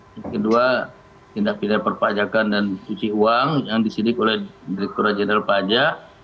yang kedua tindak pidana perpajakan dan cuci uang yang disidik oleh direkturat jenderal pajak